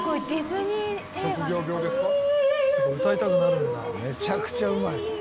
めちゃくちゃうまい。